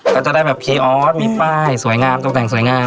ก็จะได้แบบพีออสมีป้ายสวยงามตกแต่งสวยงาม